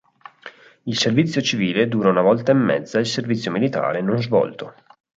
Il servizio civile dura una volta e mezza il servizio militare non svolto.